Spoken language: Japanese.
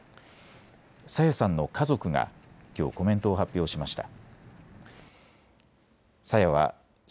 朝芽さんの家族がきょうコメントを発表しました。